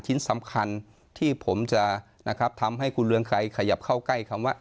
ชิ้นสำคัญที่ผมจะนะครับทำให้คุณเรืองไกรขยับเข้าใกล้คำว่า